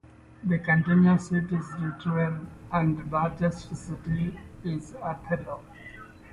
The county seat is at Ritzville, and its largest city is Othello.